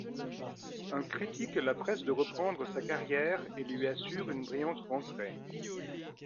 Un critique la presse de reprendre sa carrière et lui assure une brillante rentrée.